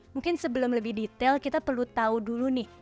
mungkin sebelum lebih detail kita perlu tahu dulu nih